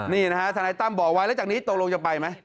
นี่นะฮะทนายตั้มบอกไว้แล้วจากนี้ตกลงจะไปไหม